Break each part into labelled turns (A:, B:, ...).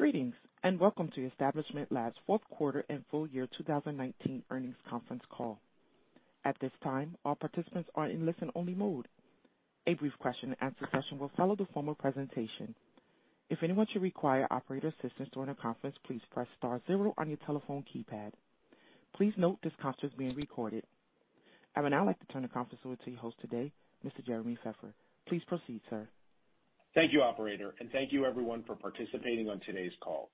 A: Greetings, welcome to Establishment Labs' fourth quarter and full year 2019 earnings conference call. At this time, all participants are in listen-only mode. A brief question and answer session will follow the formal presentation. If anyone should require operator assistance during the conference, please press star zero on your telephone keypad. Please note this conference is being recorded. I would now like to turn the conference over to your host today, Mr. Jeremy Feffer. Please proceed, sir.
B: Thank you, operator, and thank you everyone for participating on today's call.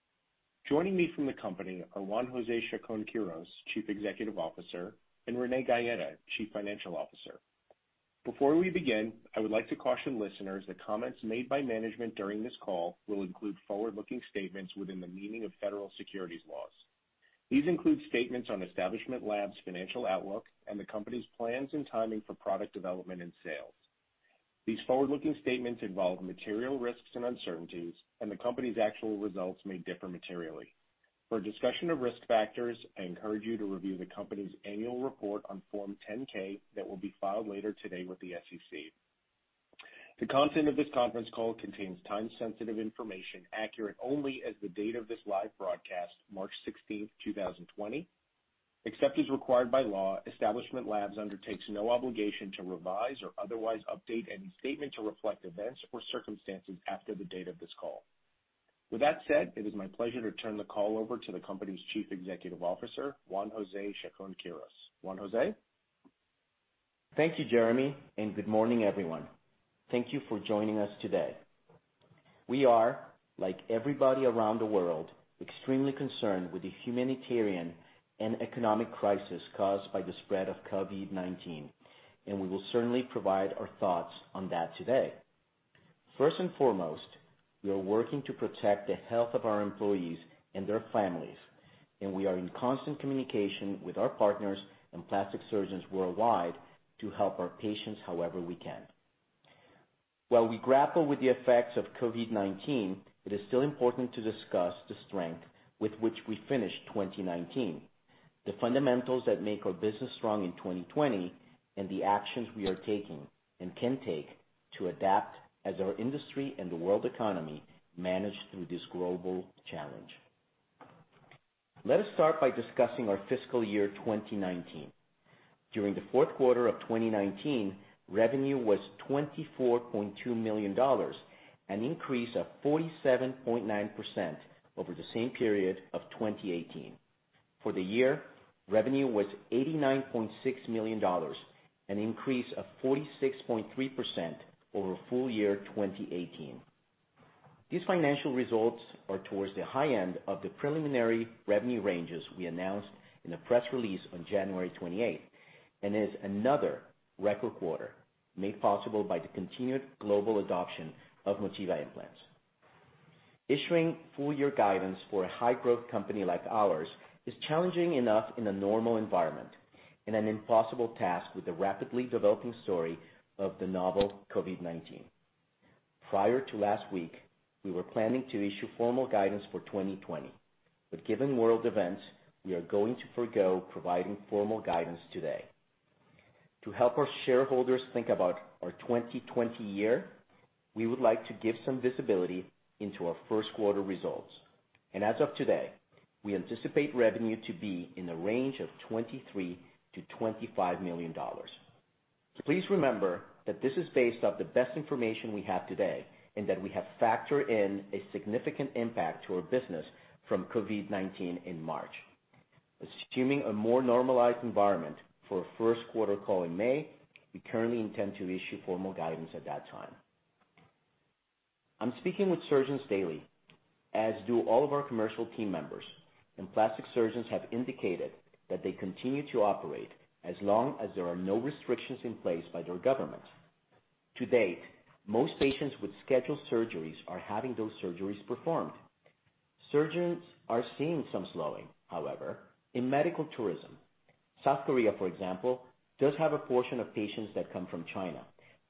B: Joining me from the company are Juan José Chacón-Quirós, Chief Executive Officer, and Renee Gaeta, Chief Financial Officer. Before we begin, I would like to caution listeners that comments made by management during this call will include forward-looking statements within the meaning of federal securities laws. These include statements on Establishment Labs' financial outlook and the company's plans and timing for product development and sales. These forward-looking statements involve material risks and uncertainties, and the company's actual results may differ materially. For a discussion of risk factors, I encourage you to review the company's annual report on Form 10-K that will be filed later today with the SEC. The content of this conference call contains time-sensitive information accurate only as the date of this live broadcast, March 16th, 2020. Except as required by law, Establishment Labs undertakes no obligation to revise or otherwise update any statement to reflect events or circumstances after the date of this call. With that said, it is my pleasure to turn the call over to the company's Chief Executive Officer, Juan José Chacón-Quirós. Juan José?
C: Thank you, Jeremy, and good morning, everyone. Thank you for joining us today. We are, like everybody around the world, extremely concerned with the humanitarian and economic crisis caused by the spread of COVID-19, and we will certainly provide our thoughts on that today. First and foremost, we are working to protect the health of our employees and their families, and we are in constant communication with our partners and plastic surgeons worldwide to help our patients however we can. While we grapple with the effects of COVID-19, it is still important to discuss the strength with which we finished 2019, the fundamentals that make our business strong in 2020, and the actions we are taking and can take to adapt as our industry and the world economy manage through this global challenge. Let us start by discussing our fiscal year 2019. During the fourth quarter of 2019, revenue was $24.2 million, an increase of 47.9% over the same period of 2018. For the year, revenue was $89.6 million, an increase of 46.3% over full year 2018. These financial results are towards the high end of the preliminary revenue ranges we announced in the press release on January 28th and is another record quarter made possible by the continued global adoption of Motiva implants. Issuing full year guidance for a high growth company like ours is challenging enough in a normal environment and an impossible task with the rapidly developing story of the novel COVID-19. Prior to last week, we were planning to issue formal guidance for 2020. Given world events, we are going to forgo providing formal guidance today. To help our shareholders think about our 2020 year, we would like to give some visibility into our first quarter results. As of today, we anticipate revenue to be in the range of $23 million-$25 million. Please remember that this is based off the best information we have today, and that we have factored in a significant impact to our business from COVID-19 in March. Assuming a more normalized environment for a first quarter call in May, we currently intend to issue formal guidance at that time. I'm speaking with surgeons daily, as do all of our commercial team members, plastic surgeons have indicated that they continue to operate as long as there are no restrictions in place by their government. To date, most patients with scheduled surgeries are having those surgeries performed. Surgeons are seeing some slowing, however, in medical tourism. South Korea, for example, does have a portion of patients that come from China,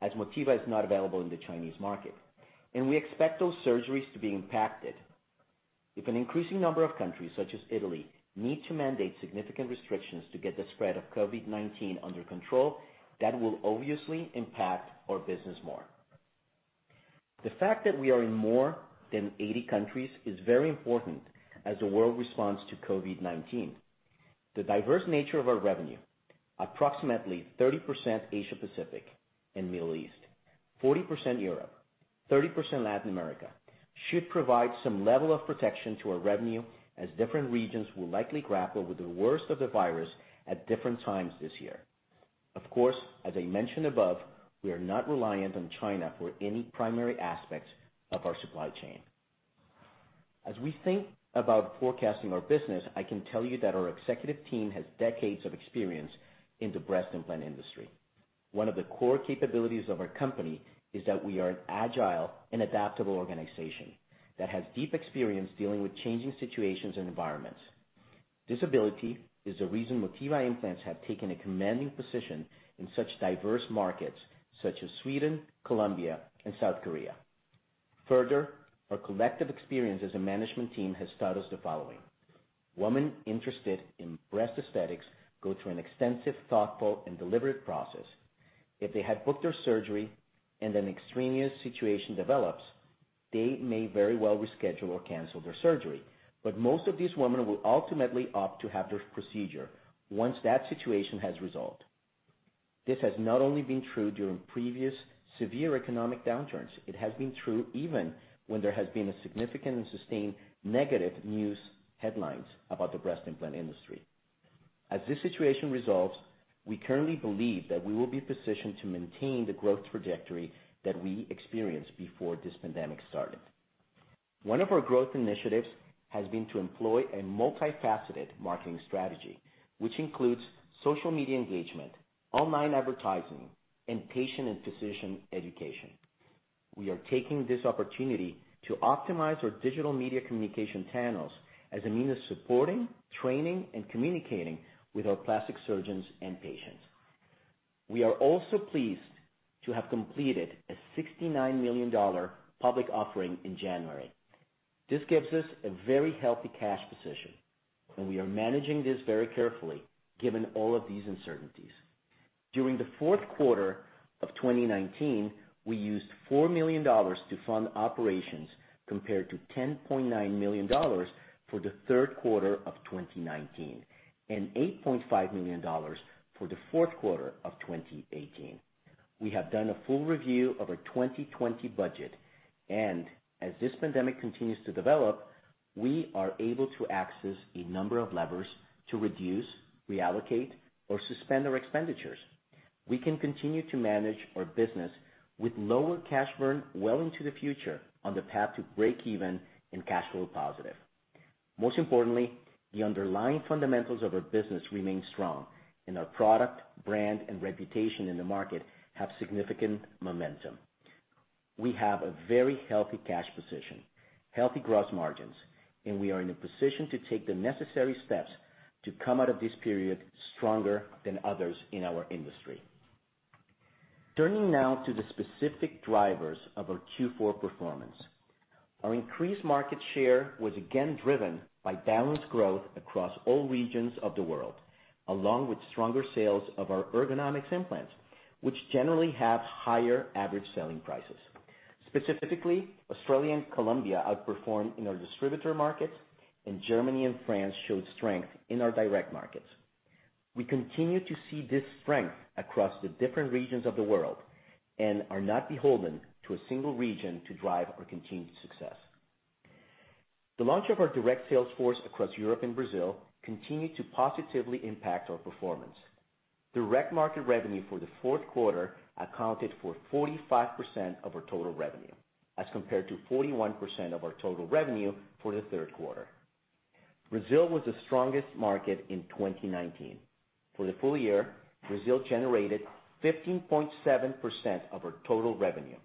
C: as Motiva is not available in the Chinese market, and we expect those surgeries to be impacted. If an increasing number of countries such as Italy need to mandate significant restrictions to get the spread of COVID-19 under control, that will obviously impact our business more. The fact that we are in more than 80 countries is very important as the world responds to COVID-19. The diverse nature of our revenue, approximately 30% Asia Pacific and Middle East, 40% Europe, 30% Latin America, should provide some level of protection to our revenue as different regions will likely grapple with the worst of the virus at different times this year. Of course, as I mentioned above, we are not reliant on China for any primary aspects of our supply chain. As we think about forecasting our business, I can tell you that our executive team has decades of experience in the breast implant industry. One of the core capabilities of our company is that we are an agile and adaptable organization that has deep experience dealing with changing situations and environments. This ability is the reason Motiva implants have taken a commanding position in such diverse markets such as Sweden, Colombia, and South Korea. Our collective experience as a management team has taught us the following. Women interested in breast aesthetics go through an extensive, thoughtful, and deliberate process. If they had booked their surgery and an extraneous situation develops, they may very well reschedule or cancel their surgery. Most of these women will ultimately opt to have their procedure once that situation has resolved. This has not only been true during previous severe economic downturns, it has been true even when there has been a significant and sustained negative news headlines about the breast implant industry. As this situation resolves, we currently believe that we will be positioned to maintain the growth trajectory that we experienced before this pandemic started. One of our growth initiatives has been to employ a multifaceted marketing strategy, which includes social media engagement, online advertising, and patient and physician education. We are taking this opportunity to optimize our digital media communication channels as a means of supporting, training, and communicating with our plastic surgeons and patients. We are also pleased to have completed a $69 million public offering in January. This gives us a very healthy cash position, and we are managing this very carefully given all of these uncertainties. During the fourth quarter of 2019, we used $4 million to fund operations compared to $10.9 million for the third quarter of 2019, and $8.5 million for the fourth quarter of 2018. We have done a full review of our 2020 budget, and as this pandemic continues to develop, we are able to access a number of levers to reduce, reallocate, or suspend our expenditures. We can continue to manage our business with lower cash burn well into the future on the path to breakeven and cash flow positive. Most importantly, the underlying fundamentals of our business remain strong and our product, brand, and reputation in the market have significant momentum. We have a very healthy cash position, healthy gross margins, and we are in a position to take the necessary steps to come out of this period stronger than others in our industry. Turning now to the specific drivers of our Q4 performance. Our increased market share was again driven by balanced growth across all regions of the world, along with stronger sales of our Ergonomix implants, which generally have higher average selling prices. Specifically, Australia and Colombia outperformed in our distributor markets, and Germany and France showed strength in our direct markets. We continue to see this strength across the different regions of the world and are not beholden to a single region to drive our continued success. The launch of our direct sales force across Europe and Brazil continued to positively impact our performance. Direct market revenue for the fourth quarter accounted for 45% of our total revenue as compared to 41% of our total revenue for the third quarter. Brazil was the strongest market in 2019. For the full year, Brazil generated 15.7% of our total revenue.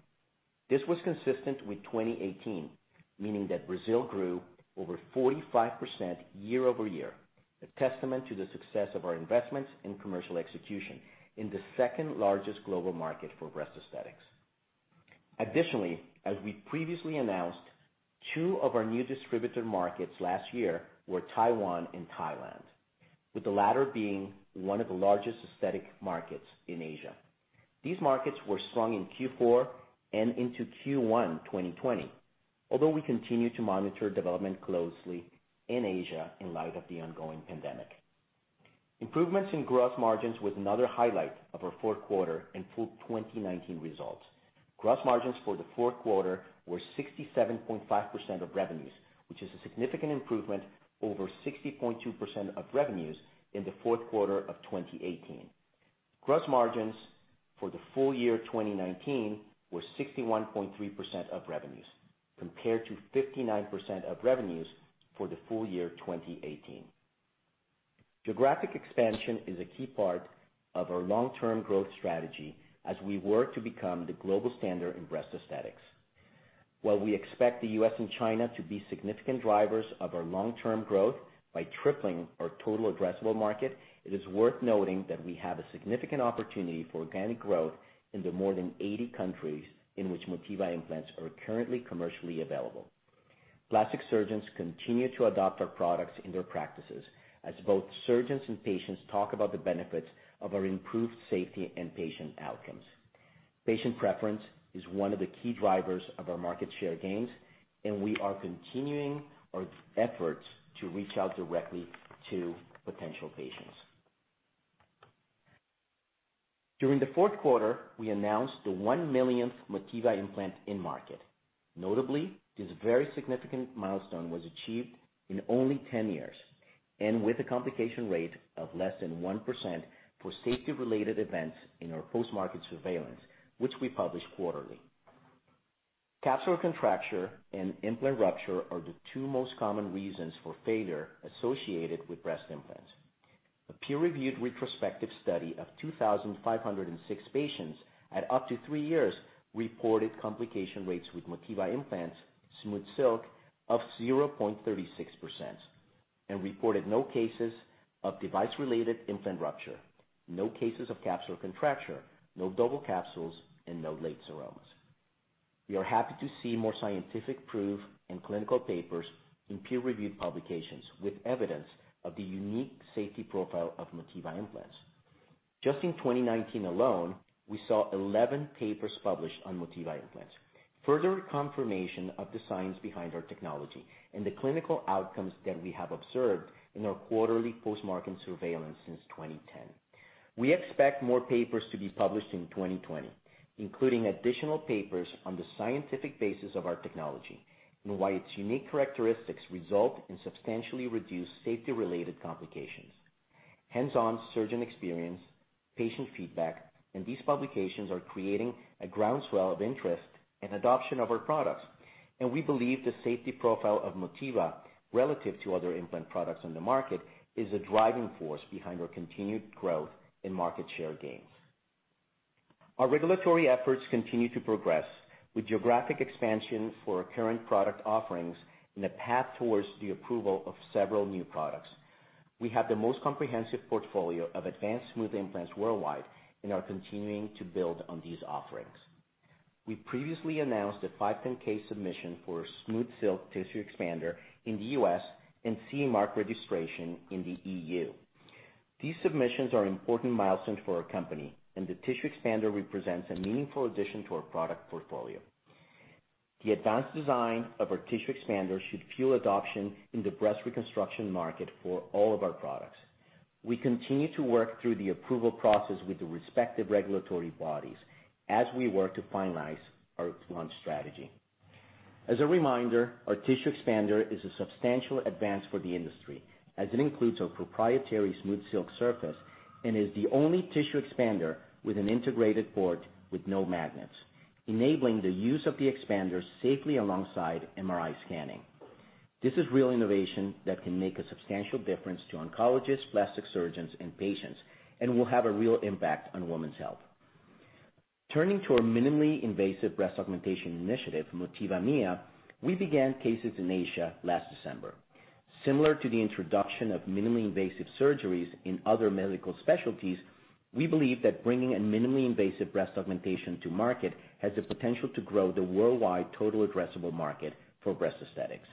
C: This was consistent with 2018, meaning that Brazil grew over 45% year-over-year, a testament to the success of our investments in commercial execution in the second largest global market for breast aesthetics. As we previously announced, two of our new distributor markets last year were Taiwan and Thailand, with the latter being one of the largest aesthetic markets in Asia. These markets were strong in Q4 and into Q1 2020. We continue to monitor development closely in Asia in light of the ongoing pandemic. Improvements in gross margins was another highlight of our fourth quarter and full 2019 results. Gross margins for the fourth quarter were 67.5% of revenues, which is a significant improvement over 60.2% of revenues in the fourth quarter of 2018. Gross margins for the full year 2019 were 61.3% of revenues, compared to 59% of revenues for the full year 2018. Geographic expansion is a key part of our long-term growth strategy as we work to become the global standard in breast aesthetics. While we expect the U.S. and China to be significant drivers of our long-term growth by tripling our total addressable market, it is worth noting that we have a significant opportunity for organic growth in the more than 80 countries in which Motiva implants are currently commercially available. Plastic surgeons continue to adopt our products in their practices as both surgeons and patients talk about the benefits of our improved safety and patient outcomes. Patient preference is one of the key drivers of our market share gains, and we are continuing our efforts to reach out directly to potential patients. During the fourth quarter, we announced the 1 millionth Motiva implant in market. Notably, this very significant milestone was achieved in only 10 years, and with a complication rate of less than 1% for safety-related events in our post-market surveillance, which we publish quarterly. capsular contracture and implant rupture are the two most common reasons for failure associated with breast implants. A peer-reviewed retrospective study of 2,506 patients at up to three years reported complication rates with Motiva implants, SmoothSilk, of 0.36% and reported no cases of device-related implant rupture, no cases of capsular contracture, no double capsules, and no late seromas. We are happy to see more scientific proof in clinical papers in peer-reviewed publications with evidence of the unique safety profile of Motiva implants. Just in 2019 alone, we saw 11 papers published on Motiva implants. Further confirmation of the science behind our technology and the clinical outcomes that we have observed in our quarterly post-market surveillance since 2010. We expect more papers to be published in 2020, including additional papers on the scientific basis of our technology and why its unique characteristics result in substantially reduced safety-related complications. Hands-on surgeon experience, patient feedback, and these publications are creating a groundswell of interest and adoption of our products, and we believe the safety profile of Motiva relative to other implant products in the market is a driving force behind our continued growth in market share gains. Our regulatory efforts continue to progress with geographic expansion for our current product offerings in a path towards the approval of several new products. We have the most comprehensive portfolio of advanced smooth implants worldwide and are continuing to build on these offerings. We previously announced a 510(k) submission for our SmoothSilk tissue expander in the U.S. and CE Mark registration in the E.U. These submissions are important milestones for our company, and the tissue expander represents a meaningful addition to our product portfolio. The advanced design of our tissue expander should fuel adoption in the breast reconstruction market for all of our products. We continue to work through the approval process with the respective regulatory bodies as we work to finalize our launch strategy. As a reminder, our tissue expander is a substantial advance for the industry, as it includes our proprietary SmoothSilk surface and is the only tissue expander with an integrated port with no magnets, enabling the use of the expander safely alongside MRI scanning. This is real innovation that can make a substantial difference to oncologists, plastic surgeons, and patients, and will have a real impact on women's health. Turning to our minimally invasive breast augmentation initiative, Motiva MIA, we began cases in Asia last December. Similar to the introduction of minimally invasive surgeries in other medical specialties, we believe that bringing a minimally invasive breast augmentation to market has the potential to grow the worldwide total addressable market for breast aesthetics.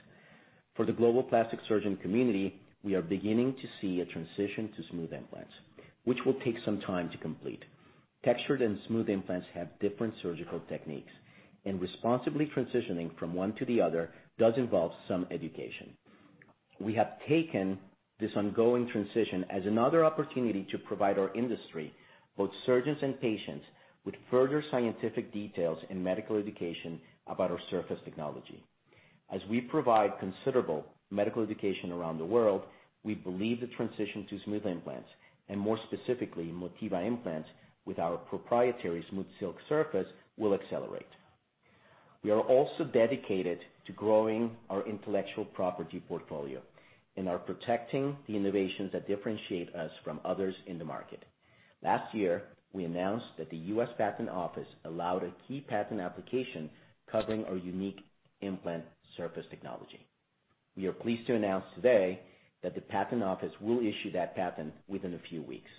C: For the global plastic surgeon community, we are beginning to see a transition to smooth implants, which will take some time to complete. Textured and smooth implants have different surgical techniques, and responsibly transitioning from one to the other does involve some education. We have taken this ongoing transition as another opportunity to provide our industry, both surgeons and patients, with further scientific details and medical education about our surface technology. As we provide considerable medical education around the world, we believe the transition to smooth implants, and more specifically Motiva implants with our proprietary SmoothSilk surface, will accelerate. We are also dedicated to growing our intellectual property portfolio and are protecting the innovations that differentiate us from others in the market. Last year, we announced that the U.S. Patent Office allowed a key patent application covering our unique implant surface technology. We are pleased to announce today that the patent office will issue that patent within a few weeks.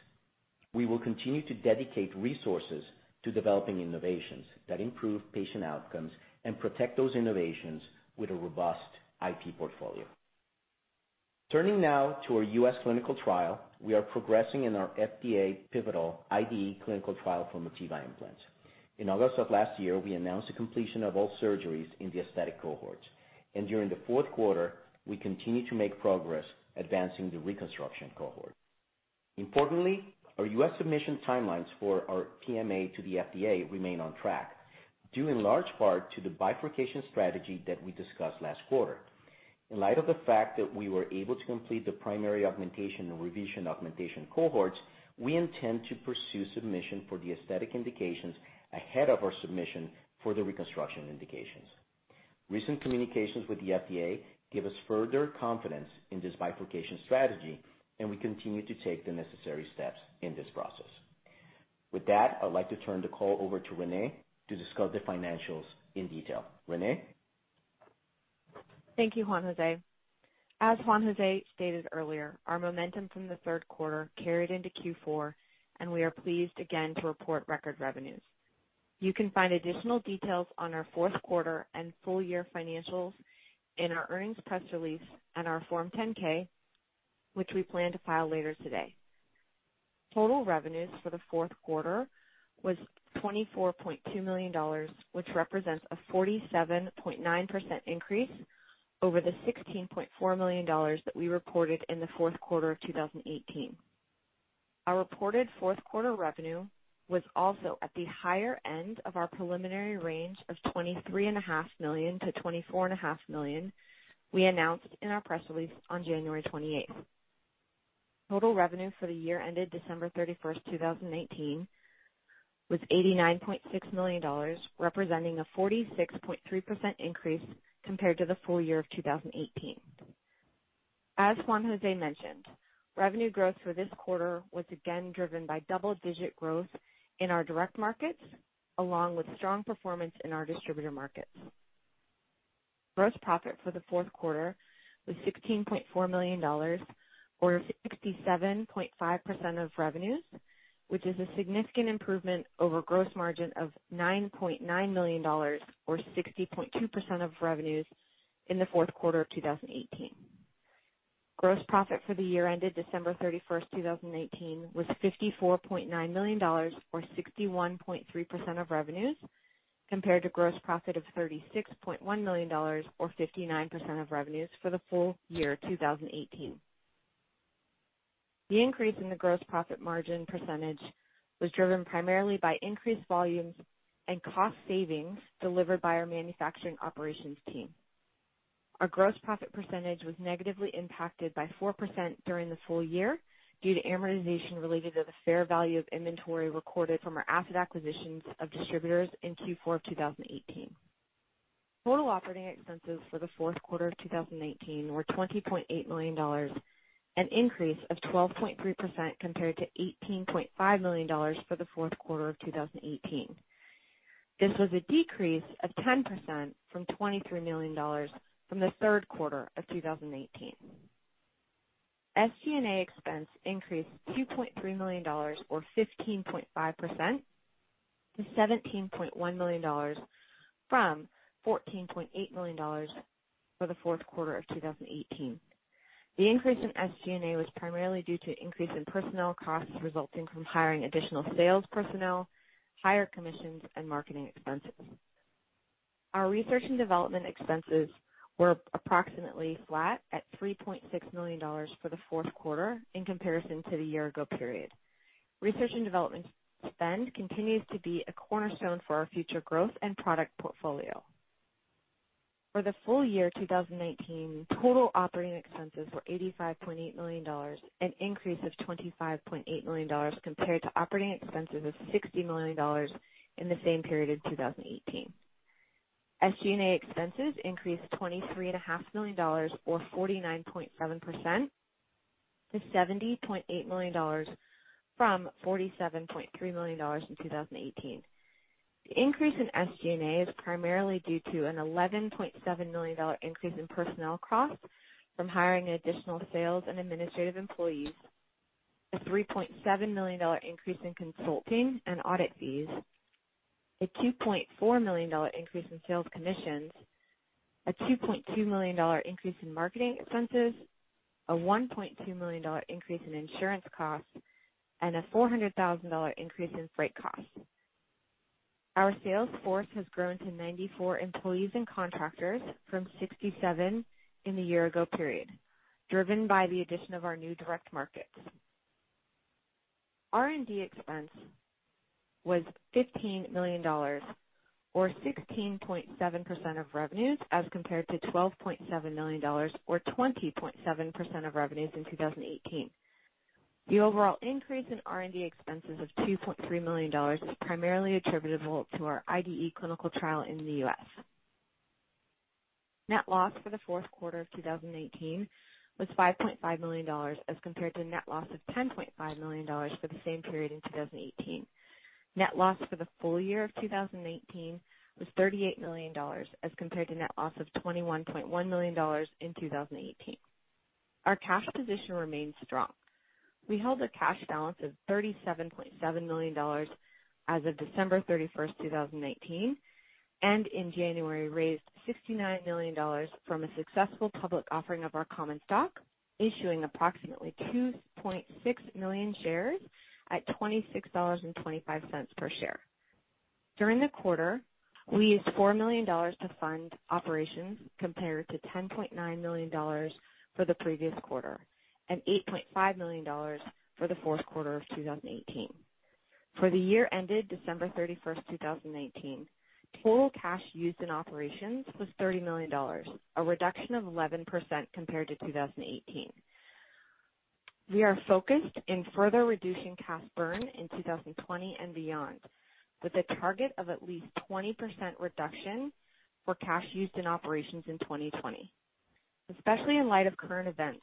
C: We will continue to dedicate resources to developing innovations that improve patient outcomes and protect those innovations with a robust IP portfolio. Turning now to our U.S. clinical trial. We are progressing in our FDA pivotal IDE clinical trial for Motiva implants. In August of last year, we announced the completion of all surgeries in the aesthetic cohorts. During the fourth quarter, we continued to make progress advancing the reconstruction cohort. Importantly, our U.S. submission timelines for our PMA to the FDA remain on track, due in large part to the bifurcation strategy that we discussed last quarter. In light of the fact that we were able to complete the primary augmentation and revision augmentation cohorts, we intend to pursue submission for the aesthetic indications ahead of our submission for the reconstruction indications. Recent communications with the FDA give us further confidence in this bifurcation strategy, and we continue to take the necessary steps in this process. With that, I'd like to turn the call over to Renee to discuss the financials in detail. Renee?
D: Thank you, Juan José. As Juan José stated earlier, our momentum from the third quarter carried into Q4, and we are pleased again to report record revenues. You can find additional details on our fourth quarter and full year financials in our earnings press release and our Form 10-K, which we plan to file later today. Total revenues for the fourth quarter was $24.2 million, which represents a 47.9% increase over the $16.4 million that we reported in the fourth quarter of 2018. Our reported fourth-quarter revenue was also at the higher end of our preliminary range of $23.5 million-$24.5 million we announced in our press release on January 28th. Total revenue for the year ended December 31st, 2019, was $89.6 million, representing a 46.3% increase compared to the full year of 2018. As Juan José mentioned, revenue growth for this quarter was again driven by double-digit growth in our direct markets, along with strong performance in our distributor markets. Gross profit for the fourth quarter was $16.4 million, or 67.5% of revenues, which is a significant improvement over gross margin of $9.9 million, or 60.2% of revenues in the fourth quarter of 2018. Gross profit for the year ended December 31st, 2019, was $54.9 million or 61.3% of revenues compared to gross profit of $36.1 million or 59% of revenues for the full year 2018. The increase in the gross profit margin percentage was driven primarily by increased volumes and cost savings delivered by our manufacturing operations team. Our gross profit percentage was negatively impacted by 4% during the full year due to amortization related to the fair value of inventory recorded from our asset acquisitions of distributors in Q4 of 2018. Total operating expenses for the fourth quarter of 2019 were $20.8 million, an increase of 12.3% compared to $18.5 million for the fourth quarter of 2018. This was a decrease of 10% from $23 million from the third quarter of 2019. SG&A expense increased to $2.3 million or 15.5% to $17.1 million from $14.8 million for the fourth quarter of 2018. The increase in SG&A was primarily due to an increase in personnel costs resulting from hiring additional sales personnel, higher commissions, and marketing expenses. Our research and development expenses were approximately flat at $3.6 million for the fourth quarter in comparison to the year ago period. Research and development spend continues to be a cornerstone for our future growth and product portfolio. For the full year 2019, total operating expenses were $85.8 million, an increase of $25.8 million compared to operating expenses of $60 million in the same period in 2018. SG&A expenses increased $23.5 million or 49.7%-$70.8 million from $47.3 million in 2018. The increase in SG&A is primarily due to an $11.7 million increase in personnel costs from hiring additional sales and administrative employees, a $3.7 million increase in consulting and audit fees, a $2.4 million increase in sales commissions, a $2.2 million increase in marketing expenses, a $1.2 million increase in insurance costs, and a $400,000 increase in freight costs. Our sales force has grown to 94 employees and contractors from 67 in the year ago period, driven by the addition of our new direct markets. R&D expense was $15 million, or 16.7% of revenues, as compared to $12.7 million, or 20.7% of revenues in 2018. The overall increase in R&D expenses of $2.3 million is primarily attributable to our IDE clinical trial in the U.S. Net loss for the fourth quarter of 2019 was $5.5 million as compared to a net loss of $10.5 million for the same period in 2018. Net loss for the full year of 2019 was $38 million as compared to net loss of $21.1 million in 2018. Our cash position remains strong. We held a cash balance of $37.7 million as of December 31st, 2019, and in January raised $69 million from a successful public offering of our common stock, issuing approximately 2.6 million shares at $26.25 per share. During the quarter, we used $4 million to fund operations compared to $10.9 million for the previous quarter and $8.5 million for the fourth quarter of 2018. For the year ended December 31st, 2019, total cash used in operations was $30 million, a reduction of 11% compared to 2018. We are focused on further reducing cash burn in 2020 and beyond with a target of at least 20% reduction for cash used in operations in 2020. Especially in light of current events,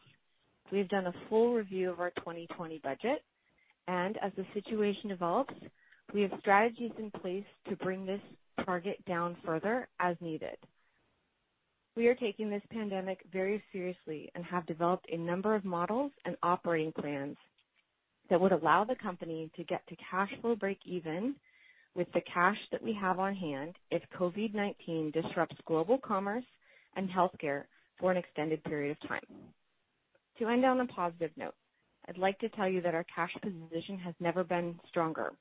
D: we have done a full review of our 2020 budget, and as the situation evolves, we have strategies in place to bring this target down further as needed. We are taking this pandemic very seriously and have developed a number of models and operating plans that would allow the company to get to cash flow breakeven with the cash that we have on hand if COVID-19 disrupts global commerce and healthcare for an extended period of time. To end on a positive note, I'd like to tell you that our cash position has never been stronger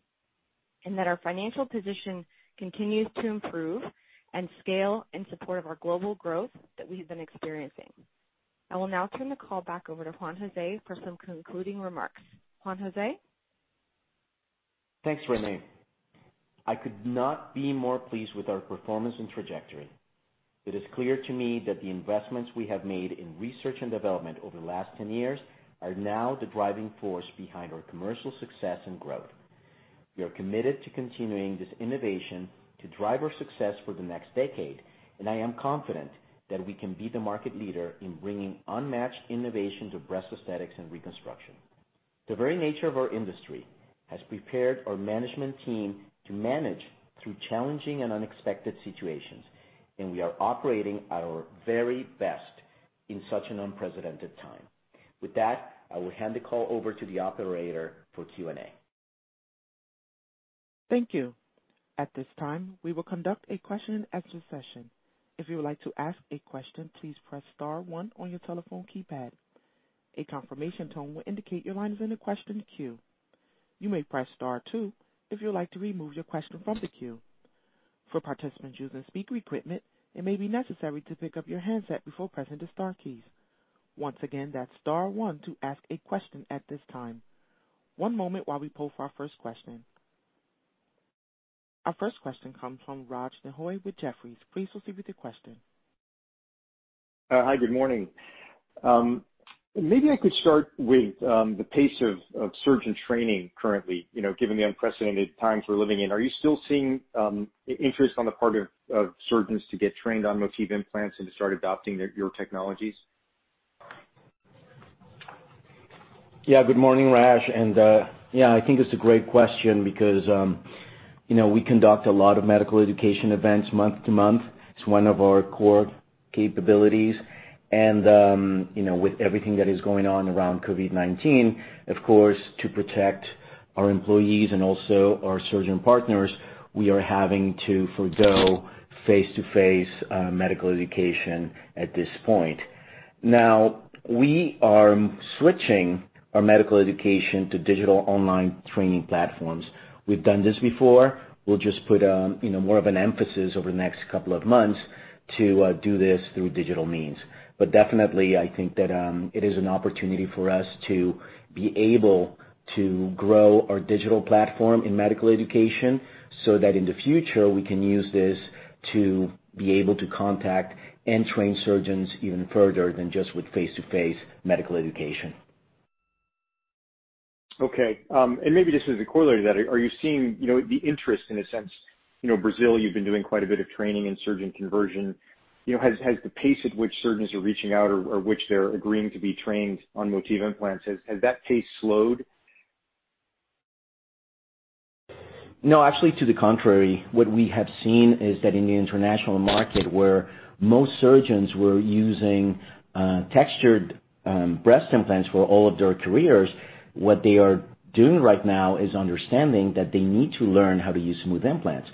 D: and that our financial position continues to improve and scale in support of our global growth that we have been experiencing. I will now turn the call back over to Juan José for some concluding remarks. Juan José?
C: Thanks, Renee. I could not be more pleased with our performance and trajectory. It is clear to me that the investments we have made in research and development over the last 10 years are now the driving force behind our commercial success and growth. We are committed to continuing this innovation to drive our success for the next decade, and I am confident that we can be the market leader in bringing unmatched innovation to breast aesthetics and reconstruction. The very nature of our industry has prepared our management team to manage through challenging and unexpected situations, and we are operating at our very best in such an unprecedented time. With that, I will hand the call over to the operator for Q&A.
A: Thank you. At this time, we will conduct a question and answer session. If you would like to ask a question, please press star one on your telephone keypad. A confirmation tone will indicate your line is in the question queue. You may press star two if you'd like to remove your question from the queue. For participants using speaker equipment, it may be necessary to pick up your handset before pressing the star keys. Once again, that's star one to ask a question at this time. One moment while we poll for our first question. Our first question comes from Raj Denhoy with Jefferies. Please proceed with your question.
E: Hi, good morning. Maybe I could start with the pace of surgeon training currently. Given the unprecedented times we're living in, are you still seeing interest on the part of surgeons to get trained on Motiva implants and to start adopting your technologies?
C: Good morning, Raj. I think it's a great question because we conduct a lot of medical education events month to month. It's one of our core capabilities. With everything that is going on around COVID-19, of course, to protect our employees and also our surgeon partners, we are having to forego face-to-face medical education at this point. Now, we are switching our medical education to digital online training platforms. We've done this before. We'll just put more of an emphasis over the next couple of months to do this through digital means. Definitely, I think that it is an opportunity for us to be able to grow our digital platform in medical education so that in the future, we can use this to be able to contact and train surgeons even further than just with face-to-face medical education.
E: Okay. Maybe just as a corollary to that, are you seeing the interest in a sense Brazil, you've been doing quite a bit of training and surgeon conversion? Has the pace at which surgeons are reaching out or which they're agreeing to be trained on Motiva implants, has that pace slowed?
C: No, actually, to the contrary, what we have seen is that in the international market, where most surgeons were using textured breast implants for all of their careers, what they are doing right now is understanding that they need to learn how to use smooth implants.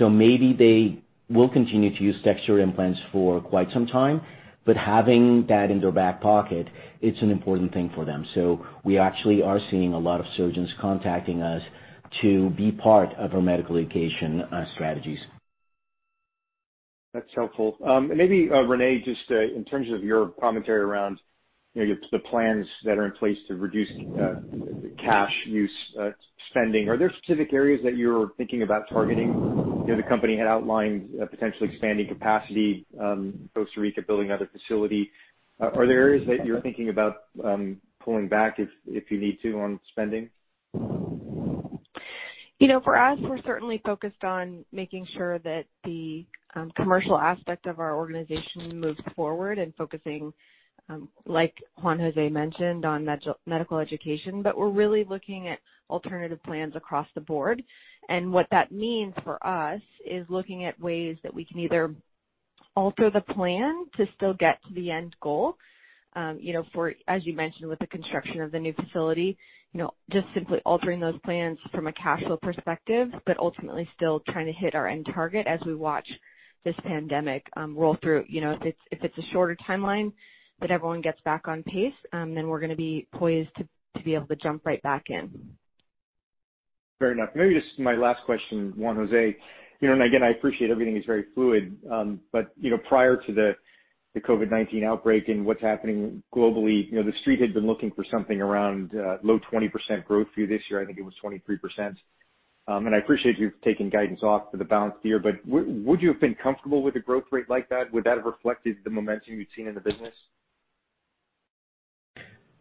C: Maybe they will continue to use textured implants for quite some time, but having that in their back pocket, it's an important thing for them. We actually are seeing a lot of surgeons contacting us to be part of our medical education strategies.
E: That's helpful. Maybe, Renee, just in terms of your commentary around the plans that are in place to reduce cash use spending, are there specific areas that you're thinking about targeting? I know the company had outlined potentially expanding capacity, Costa Rica building another facility. Are there areas that you're thinking about pulling back if you need to on spending?
D: For us, we're certainly focused on making sure that the commercial aspect of our organization moves forward and focusing, like Juan José mentioned, on medical education. We're really looking at alternative plans across the board, and what that means for us is looking at ways that we can either alter the plan to still get to the end goal. As you mentioned, with the construction of the new facility, just simply altering those plans from a cash flow perspective, but ultimately still trying to hit our end target as we watch this pandemic roll through. If it's a shorter timeline that everyone gets back on pace, then we're going to be poised to be able to jump right back in.
E: Fair enough. Maybe just my last question, Juan José, and again, I appreciate everything is very fluid, but prior to the COVID-19 outbreak and what's happening globally, the Street had been looking for something around low 20% growth for you this year. I think it was 23%. And I appreciate you taking guidance off for the balance of the year, but would you have been comfortable with a growth rate like that? Would that have reflected the momentum you'd seen in the business?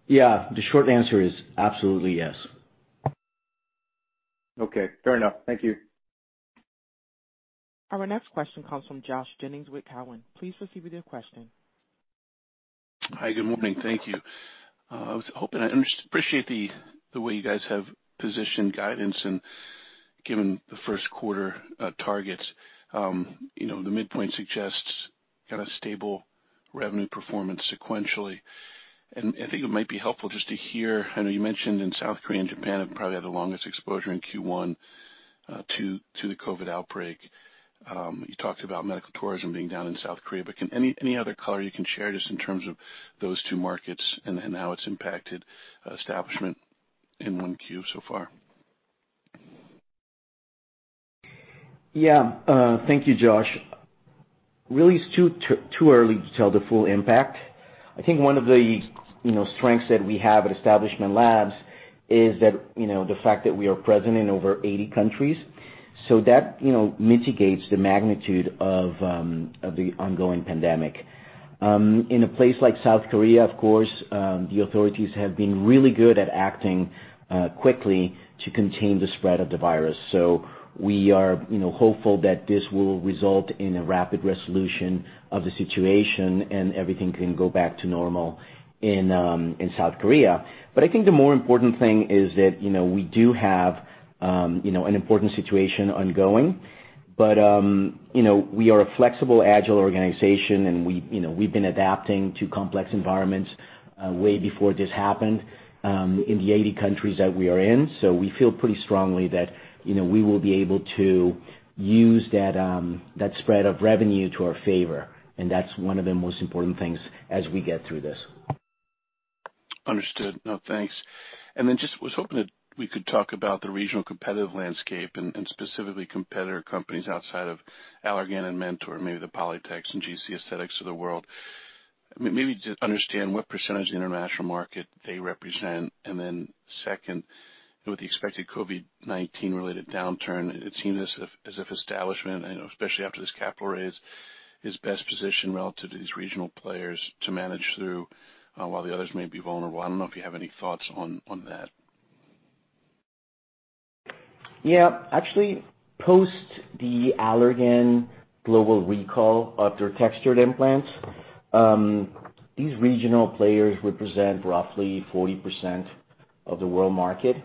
C: Yeah. The short answer is absolutely yes.
E: Okay. Fair enough. Thank you.
A: Our next question comes from Josh Jennings with Cowen. Please proceed with your question.
F: Hi. Good morning. Thank you. I appreciate the way you guys have positioned guidance and given the first quarter targets. The midpoint suggests kind of stable revenue performance sequentially. I think it might be helpful just to hear, I know you mentioned in South Korea and Japan have probably had the longest exposure in Q1 to the COVID outbreak. You talked about medical tourism being down in South Korea. Any other color you can share just in terms of those two markets and how it's impacted Establishment in Q1 so far?
C: Yeah. Thank you, Josh. Really, it's too early to tell the full impact. I think one of the strengths that we have at Establishment Labs is the fact that we are present in over 80 countries. That mitigates the magnitude of the ongoing pandemic. In a place like South Korea, of course, the authorities have been really good at acting quickly to contain the spread of the virus. We are hopeful that this will result in a rapid resolution of the situation, and everything can go back to normal in South Korea. I think the more important thing is that we do have an important situation ongoing. We are a flexible, agile organization, and we've been adapting to complex environments way before this happened in the 80 countries that we are in. We feel pretty strongly that we will be able to use that spread of revenue to our favor, and that's one of the most important things as we get through this.
F: Understood. No, thanks. Just was hoping that we could talk about the regional competitive landscape and specifically competitor companies outside of Allergan and Mentor, maybe the Polytech and GC Aesthetics of the world. Maybe just understand what percent of the international market they represent. Second, with the expected COVID-19 related downturn, it seems as if Establishment, especially after this capital raise, is best positioned relative to these regional players to manage through while the others may be vulnerable. I don't know if you have any thoughts on that.
C: Yeah. Actually, post the Allergan global recall of their textured implants, these regional players represent roughly 40% of the world market.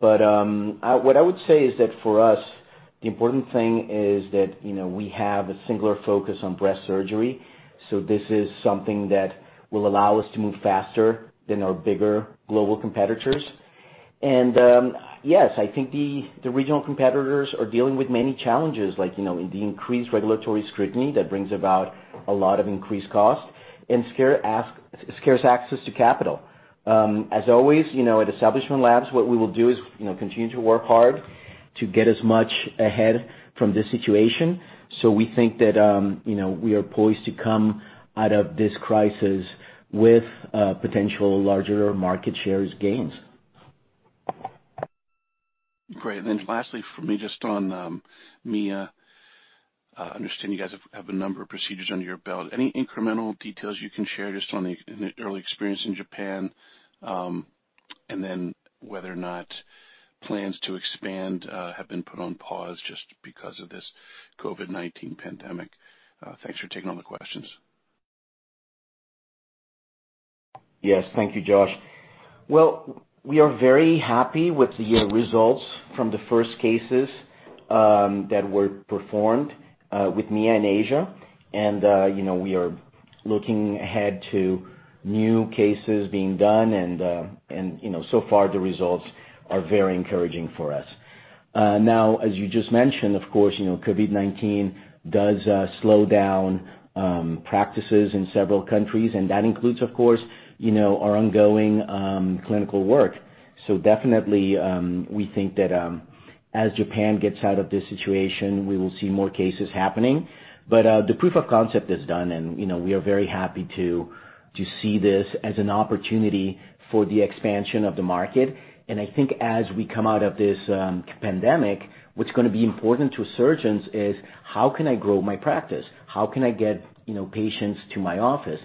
C: What I would say is that for us, the important thing is that we have a singular focus on breast surgery. This is something that will allow us to move faster than our bigger global competitors. Yes, I think the regional competitors are dealing with many challenges, like the increased regulatory scrutiny that brings about a lot of increased cost and scarce access to capital. As always, at Establishment Labs, what we will do is continue to work hard to get as much ahead from this situation. We think that we are poised to come out of this crisis with potential larger market shares gains.
F: Great. Lastly from me, just on Mia. I understand you guys have a number of procedures under your belt. Any incremental details you can share just on the early experience in Japan? Whether or not plans to expand have been put on pause just because of this COVID-19. Thanks for taking all the questions.
C: Yes. Thank you, Josh. Well, we are very happy with the results from the first cases that were performed with Mia in Asia. We are looking ahead to new cases being done, and so far the results are very encouraging for us. Now, as you just mentioned, of course, COVID-19 does slow down practices in several countries, and that includes, of course, our ongoing clinical work. Definitely, we think that as Japan gets out of this situation, we will see more cases happening. The proof of concept is done, and we are very happy to see this as an opportunity for the expansion of the market. I think as we come out of this pandemic, what's going to be important to surgeons is how can I grow my practice? How can I get patients to my office?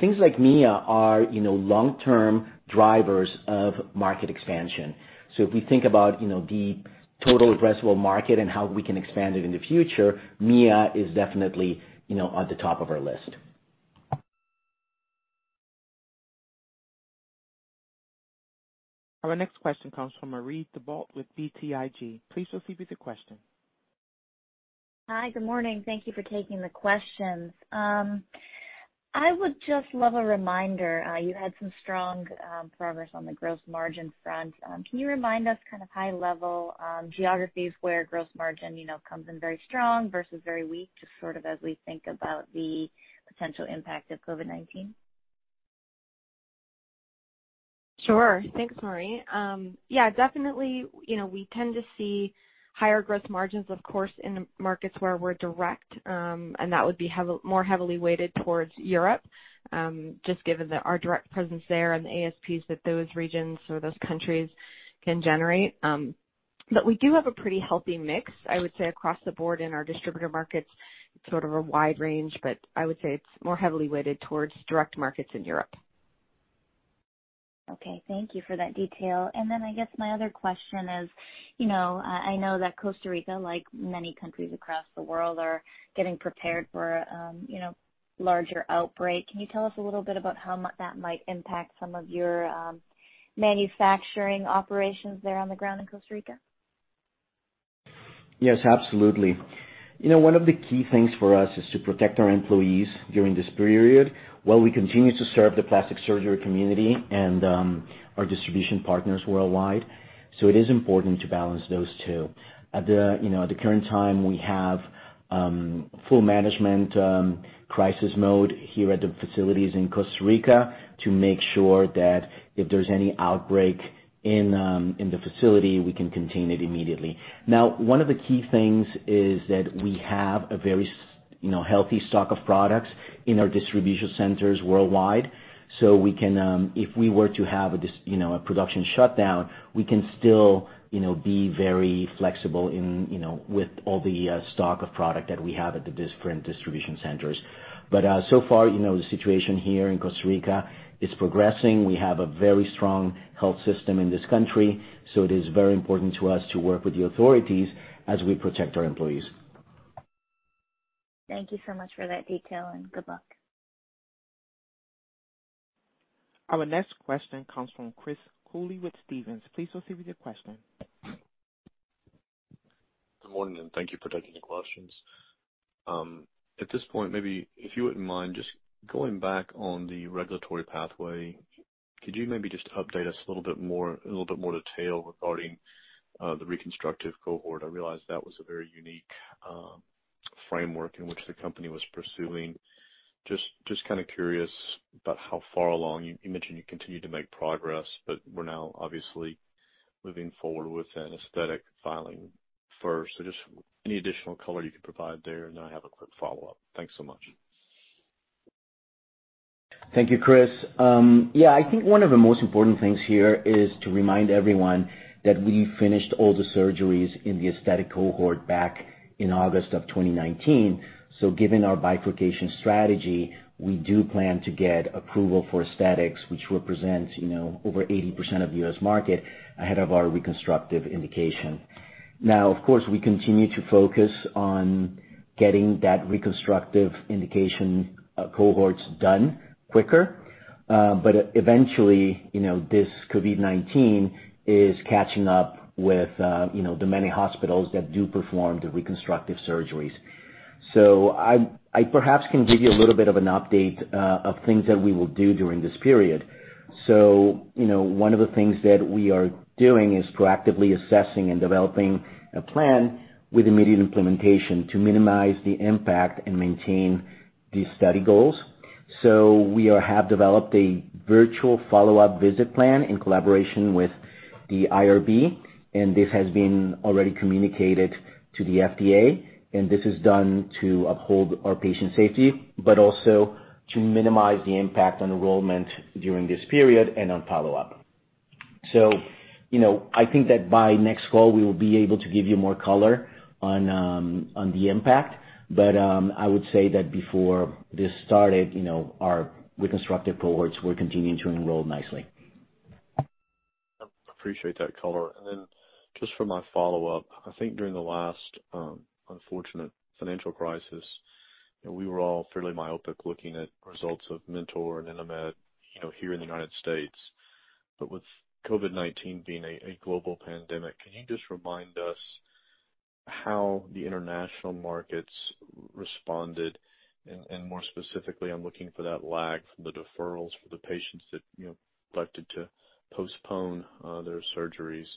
C: Things like Mia are long-term drivers of market expansion. If we think about the total addressable market and how we can expand it in the future, Mia is definitely at the top of our list.
A: Our next question comes from Marie Thibault with BTIG. Please proceed with your question.
G: Hi, good morning. Thank you for taking the questions. I would just love a reminder. You had some strong progress on the gross margin front. Can you remind us kind of high level geographies where gross margin comes in very strong versus very weak, just sort of as we think about the potential impact of COVID-19?
D: Sure. Thanks, Marie. Yeah, definitely, we tend to see higher gross margins, of course, in markets where we're direct. That would be more heavily weighted towards Europe, just given that our direct presence there and the ASPs that those regions or those countries can generate. We do have a pretty healthy mix, I would say, across the board in our distributor markets, sort of a wide range, I would say it's more heavily weighted towards direct markets in Europe.
G: Okay, thank you for that detail. I guess my other question is, I know that Costa Rica, like many countries across the world, are getting prepared for a larger outbreak. Can you tell us a little bit about how much that might impact some of your manufacturing operations there on the ground in Costa Rica?
C: Yes, absolutely. One of the key things for us is to protect our employees during this period while we continue to serve the plastic surgery community and our distribution partners worldwide. It is important to balance those two. At the current time, we have full management crisis mode here at the facilities in Costa Rica to make sure that if there's any outbreak in the facility, we can contain it immediately. One of the key things is that we have a very healthy stock of products in our distribution centers worldwide. If we were to have a production shutdown, we can still be very flexible with all the stock of product that we have at the different distribution centers. So far, the situation here in Costa Rica is progressing. We have a very strong health system in this country, so it is very important to us to work with the authorities as we protect our employees.
G: Thank you so much for that detail, and good luck.
A: Our next question comes from Chris Cooley with Stephens. Please proceed with your question.
H: Good morning, and thank you for taking the questions. At this point, maybe if you wouldn't mind just going back on the regulatory pathway, could you maybe just update us a little bit more detail regarding the reconstructive cohort? I realize that was a very unique framework in which the company was pursuing. Just curious about how far along? You mentioned you continue to make progress, but we're now obviously moving forward with an aesthetic filing first. Just any additional color you could provide there, and then I have a quick follow-up. Thanks so much.
C: Thank you, Chris. Yeah, I think one of the most important things here is to remind everyone that we finished all the surgeries in the aesthetic cohort back in August of 2019. Given our bifurcation strategy, we do plan to get approval for aesthetics, which represents over 80% of the U.S. market ahead of our reconstructive indication. Of course, we continue to focus on getting that reconstructive indication cohorts done quicker. Eventually, this COVID-19 is catching up with the many hospitals that do perform the reconstructive surgeries. I perhaps can give you a little bit of an update of things that we will do during this period. One of the things that we are doing is proactively assessing and developing a plan with immediate implementation to minimize the impact and maintain the study goals. We have developed a virtual follow-up visit plan in collaboration with the IRB, and this has been already communicated to the FDA, and this is done to uphold our patient safety, but also to minimize the impact on enrollment during this period and on follow-up. I think that by next call, we will be able to give you more color on the impact. I would say that before this started, our reconstructive cohorts were continuing to enroll nicely.
H: I appreciate that color. Then just for my follow-up, I think during the last unfortunate financial crisis, we were all fairly myopic looking at results of Mentor and Inamed here in the U.S. With COVID-19 being a global pandemic, can you just remind us how the international markets responded? More specifically, I'm looking for that lag from the deferrals for the patients that elected to postpone their surgeries.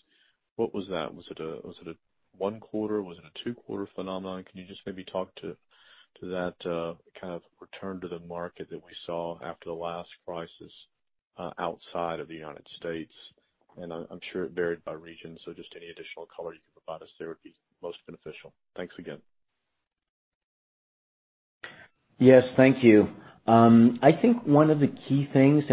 H: What was that? Was it a one quarter? Was it a two-quarter phenomenon? Can you just maybe talk to that kind of return to the market that we saw after the last crisis outside of the U.S.? I'm sure it varied by region, so just any additional color you could provide us there would be most beneficial. Thanks again.
C: Yes. Thank you. I think one of the key things,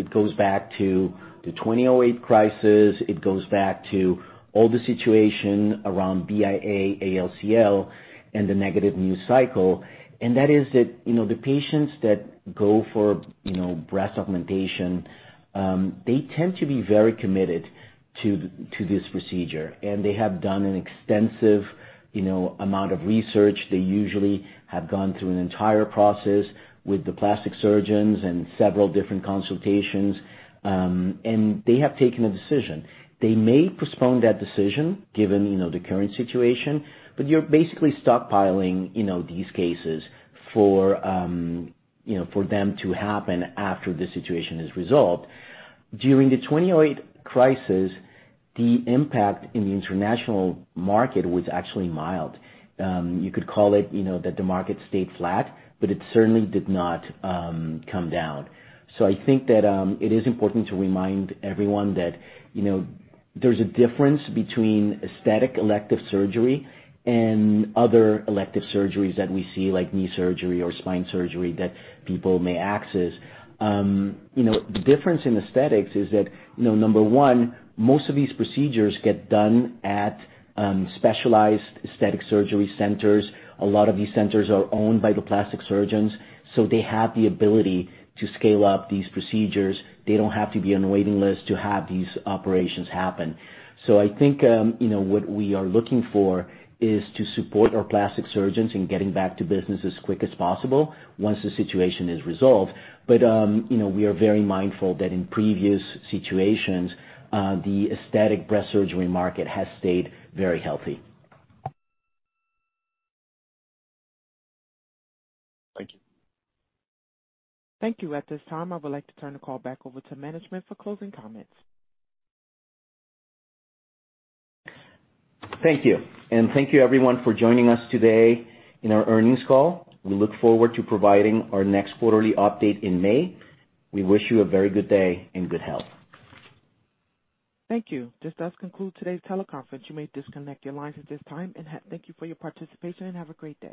C: it goes back to the 2008 crisis. It goes back to all the situation around BIA-ALCL, and the negative news cycle, that is that the patients that go for breast augmentation, they tend to be very committed to this procedure. They have done an extensive amount of research. They usually have gone through an entire process with the plastic surgeons and several different consultations. They have taken a decision. They may postpone that decision given the current situation. You're basically stockpiling these cases for them to happen after the situation is resolved. During the 2008 crisis, the impact in the international market was actually mild. You could call it that the market stayed flat, but it certainly did not come down. I think that it is important to remind everyone that there's a difference between aesthetic elective surgery and other elective surgeries that we see, like knee surgery or spine surgery that people may access. The difference in aesthetics is that, number one, most of these procedures get done at specialized aesthetic surgery centers. A lot of these centers are owned by the plastic surgeons, so they have the ability to scale up these procedures. They don't have to be on waiting list to have these operations happen. I think what we are looking for is to support our plastic surgeons in getting back to business as quick as possible once the situation is resolved. We are very mindful that in previous situations, the aesthetic breast surgery market has stayed very healthy.
H: Thank you.
A: Thank you. At this time, I would like to turn the call back over to management for closing comments.
C: Thank you. Thank you everyone for joining us today in our earnings call. We look forward to providing our next quarterly update in May. We wish you a very good day and good health.
A: Thank you. This does conclude today's teleconference. You may disconnect your lines at this time. Thank you for your participation, and have a great day.